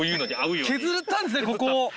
削ったんですねここを。